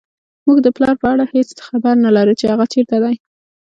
موږ د پلار په اړه هېڅ خبر نه لرو چې هغه چېرته دی